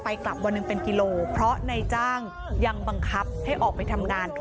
กลับวันหนึ่งเป็นกิโลเพราะนายจ้างยังบังคับให้ออกไปทำงาน